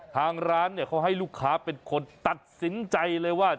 ทางร้านเนี่ยเขาให้ลูกค้าเป็นคนตัดสินใจเลยว่า